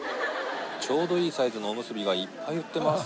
ちょうどいいサイズのおむすびがいっぱい売ってます。